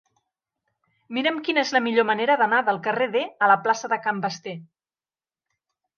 Mira'm quina és la millor manera d'anar del carrer D a la plaça de Can Basté.